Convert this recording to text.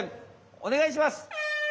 おねがいします！